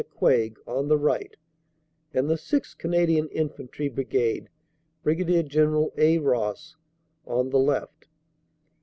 McCuaig) on the right, and the 6th. Canadian Infantry Brigade (Brig.General A. Ross) on the left.